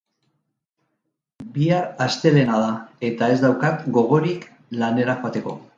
Bihar astelehena da, eta ez daukat gogorik lanera joateko.